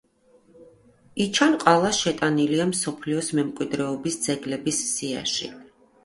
იჩან-ყალა შეტანილია მსოფლიო მემკვიდრეობის ძეგლების სიაში.